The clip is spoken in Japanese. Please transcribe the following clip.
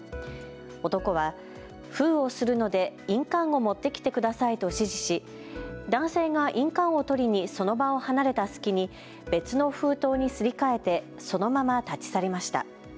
男は、封をするので印鑑を持ってきてくださいと指示し男性が印鑑を取りにその場を離れた隙に別の封筒にすり替えてそのまま立ち去りました。